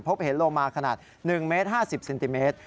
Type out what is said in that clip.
พบเห็นโลมาขนาด๑เมตร๕๐เซนติเมตร